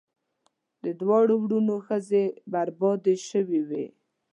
د دواړو وروڼو ښځې بربادي شوې وې.